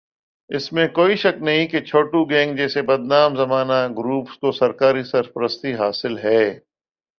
اس میں کوئ شک نہیں کہ چھوٹو گینگ جیسے بدنام زمانہ گروپس کو سرکاری سرپرستی حاصل ہے